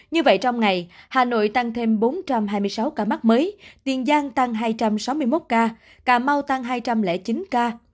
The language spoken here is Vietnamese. như vậy trong ngày hà nội tăng thêm bốn trăm hai mươi sáu ca mắc mới tiền giang tăng hai trăm sáu mươi một ca cà mau tăng hai trăm linh chín ca